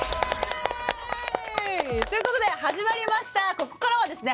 ここからはですね。